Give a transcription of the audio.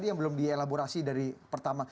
yang belum di elaborasi dari pertama